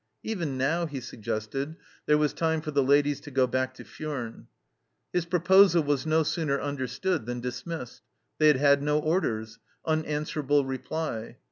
Even now, he suggested, there was time for the ladies to go back to Furnes. His proposal was no sooner under stood than dismissed: they had had no orders unanswerable reply.